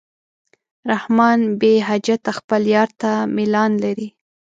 رحمان بېحجته خپل یار ته میلان لري.